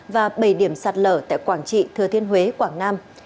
và bảy điểm sạt lở tại quảng trị thừa thiên huế quảng nam